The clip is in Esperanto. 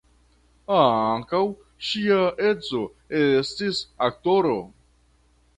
Ankaŭ ŝia edzo estis aktoro.